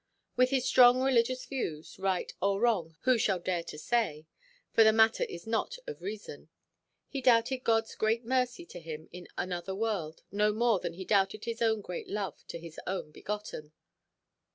With his strong religious views—right or wrong, who shall dare to say? for the matter is not of reason—he doubted Godʼs great mercy to him in another world no more than he doubted his own great love to his own begotten.